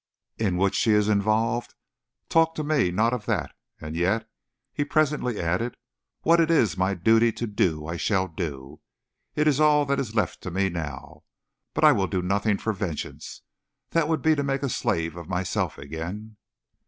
"In which she is involved. Talk to me not of that! And yet," he presently added, "what it is my duty to do, I shall do. It is all that is left to me now. But I will do nothing for vengeance. That would be to make a slave of myself again."